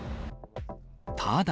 ただ。